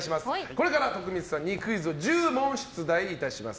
これから徳光正行さんにクイズを１０問出題します。